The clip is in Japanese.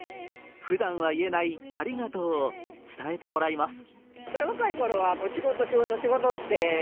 ふだんは言えない「ありがとう」を伝えてもらいます。